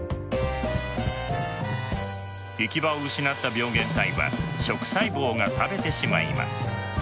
行き場を失った病原体は食細胞が食べてしまいます。